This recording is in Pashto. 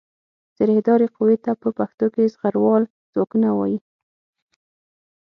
زرهدارې قوې ته په پښتو کې زغروال ځواکونه وايي.